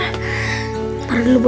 bentar dulu bu